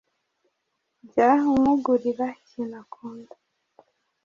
jya umugurira ikintu akunda